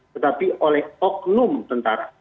tetapi oleh oknum tentara